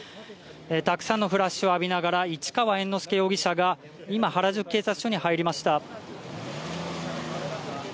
たくさんのフラッシュを浴びながら、市川猿之助容疑者が今、原宿警察署に入りました。